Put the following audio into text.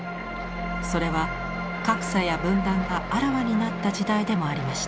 それは格差や分断があらわになった時代でもありました。